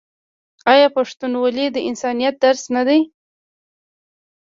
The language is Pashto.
آیا پښتونولي د انسانیت درس نه دی؟